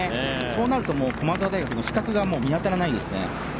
そうなると駒澤大学死角が見当たらないですね。